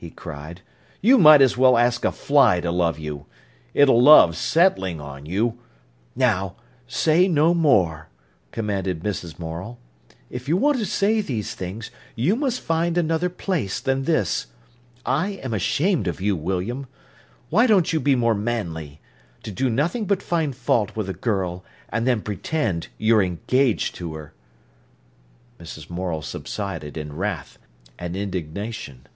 _" he cried, "you might as well ask a fly to love you! It'll love settling on you—" "Now, say no more," commanded Mrs. Morel. "If you want to say these things, you must find another place than this. I am ashamed of you, William! Why don't you be more manly. To do nothing but find fault with a girl, and then pretend you're engaged to her!" Mrs. Morel subsided in wrath and indignation.